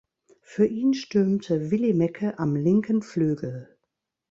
Für ihn stürmte Willi Mecke am linken Flügel.